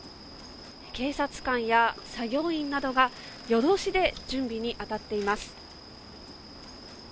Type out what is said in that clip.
警察官や作業員などが夜通しで準備に当たっています。